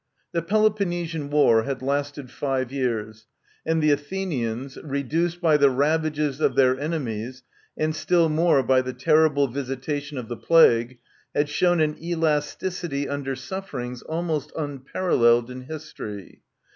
The Peloponnesian war had lasted five years, and the Athenians, reduced by the ravages of their enemies, and still more by the terrible visitation of the plague, had shown an elasticity under sufferings almost un paralleled in history.